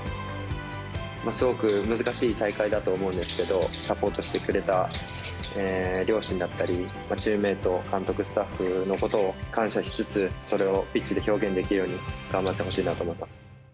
すごく難しい大会だと思うんですけど、サポートしてくれた両親だったり、チームメート、監督、スタッフのこと、感謝しつつ、それをピッチで表現できるように頑張ってほしいなと思います。